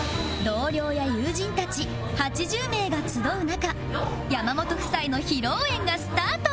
同僚や友人たち８０名が集う中山本夫妻の披露宴がスタート